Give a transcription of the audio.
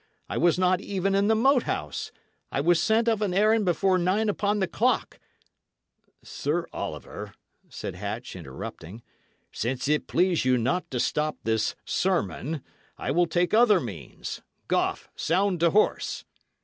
I was not even in the Moat House. I was sent of an errand before nine upon the clock" "Sir Oliver," said Hatch, interrupting, "since it please you not to stop this sermon, I will take other means. Goffe, sound to horse."